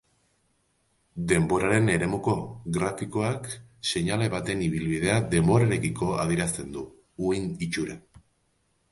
Denboraren eremuko grafikoak seinale baten ibilbidea denborarekiko adierazten du: uhin-itxura.